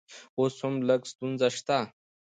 اوس هم لږ ستونزه شته